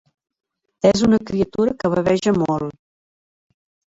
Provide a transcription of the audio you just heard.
És una criatura que baveja molt.